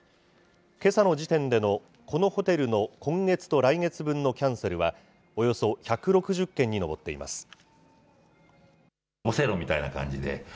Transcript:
けさの時点でのこのホテルの今月と来月分のキャンセルはおよそ１６０件に上っています。